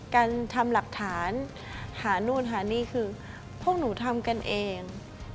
การทำหลักฐานหานู่นหานี่คือพวกหนูทำกันเอง